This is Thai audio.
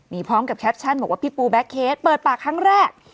มีพร้อมกับแคปชั่นบอกว่าพี่ปูแบ็คเคสเปิดปากครั้งแรก